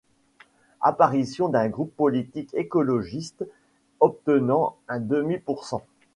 Apparition d'un groupe politique écologiste obtenant un demi pour cent.